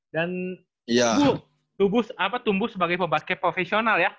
dan tumbuh sebagai pemakaian profesional ya